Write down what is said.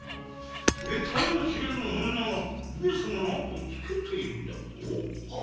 得体の知れぬ女が上様の後をつけているだと？